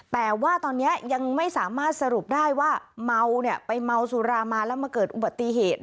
แต่ว่าตอนนี้ยังไม่สามารถสรุปได้ว่าเมาเนี่ยไปเมาสุรามาแล้วมาเกิดอุบัติเหตุ